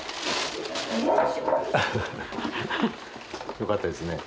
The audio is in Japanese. よかったですね。